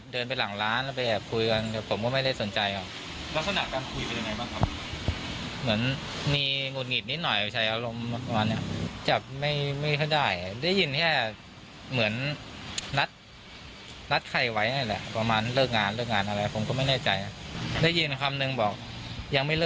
ได้ยินว่ายังไม่ได้ตรวจการ